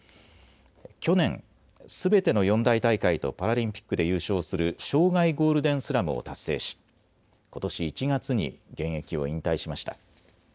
去年、すべての四大大会とパラリンピックで優勝する生涯ゴールデンスラムを達成しことし１月に現役を引退しました。